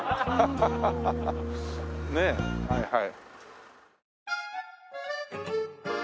ねえはいはい。